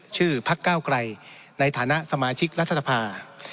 พักเก้าไกลในฐานะสมาชิกรัฐสภา